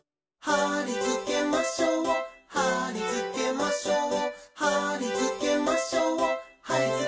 「はりつけましょうはりつけましょう」